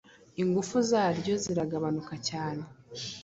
ingufu zaryo ziragabanuka cyane